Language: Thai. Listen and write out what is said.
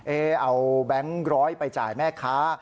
เอาแบงค์ร้อยไปจ่ายแม่ค้า